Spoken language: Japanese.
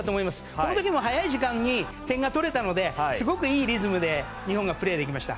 この時も、早い時間に点が取れたのですごくいいリズムで日本がプレーできました。